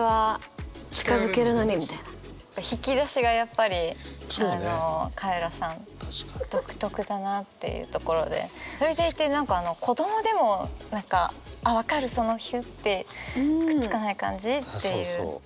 引き出しがやっぱりカエラさん独特だなっていうところでそれでいて何か子どもでも分かるそのひゅってくっつかない感じっていう。